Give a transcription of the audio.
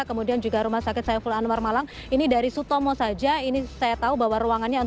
kemudian juga rumah sakit saiful anwar malang ini dari sutomo saja ini saya tahu bahwa ruangannya